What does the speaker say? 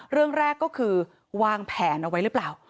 เรื่องแรกก็คือวางแผนเอาไว้หรือเปล่า